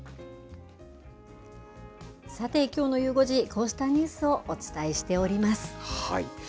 さて、きょうのゆう５時、こうしたニュースをお伝えしております。